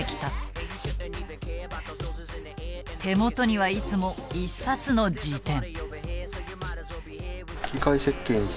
手元にはいつも一冊の辞典。